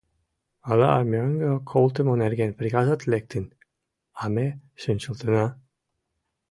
- Ала мӧҥгӧ колтымо нерген приказат лектын, а ме шинчылтына.